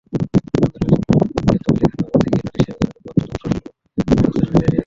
আদালত কোতোয়ালি থানার ওসিকে নালিশি আবেদনের ওপর তদন্তপূর্বক ব্যবস্থা নেওয়ার নির্দেশ দিয়েছেন।